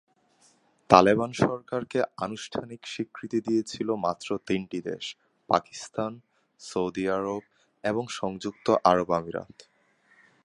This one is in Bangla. তালেবান সরকারকে আনুষ্ঠানিক স্বীকৃতি দিয়েছিলো মাত্র তিনটি দেশ: পাকিস্তান, সৌদি আরব এবং সংযুক্ত আরব আমিরাত।